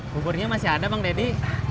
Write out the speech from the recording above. buburnya masih ada bang deddy